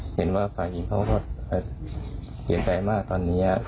เห็นว่าฝ่ายหญิงเขาก็เสียใจมากตอนนี้